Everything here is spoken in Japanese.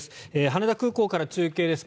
羽田空港から中継です。